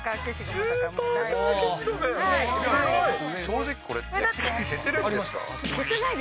すごい！